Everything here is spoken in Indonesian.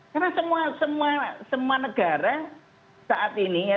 karena semua negara saat ini semua negara di dunia